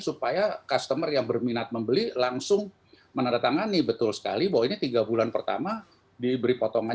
supaya customer yang berminat membeli langsung menandatangani betul sekali bahwa ini tiga bulan pertama diberi potongan